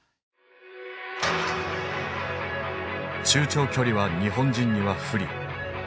中長距離は日本人には不利。